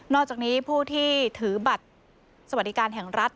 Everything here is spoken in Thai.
อกจากนี้ผู้ที่ถือบัตรสวัสดิการแห่งรัฐ